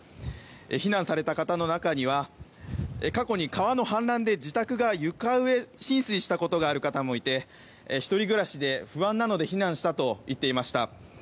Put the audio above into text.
避難された方の中には過去に川の氾濫で自宅が床上浸水したことがある方もいて１人暮らしで不安なので避難したと言っていました。